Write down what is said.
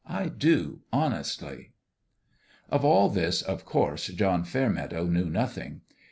I do, hon estly !" Of all this, of course, John Fairmeadow knew nothing.